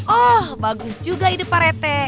oh bagus juga ide pak rete